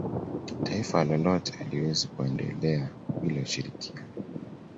taifa lolote haliwezi kuendelea bila ushirikiano